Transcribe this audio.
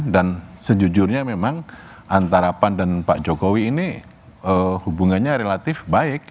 dan sejujurnya memang antara pan dan pak jokowi ini hubungannya relatif baik